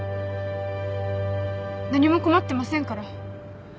何も困ってませんから。